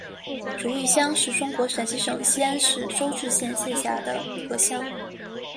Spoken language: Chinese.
竹峪乡是中国陕西省西安市周至县下辖的一个乡。